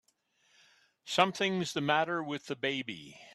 Something's the matter with the baby!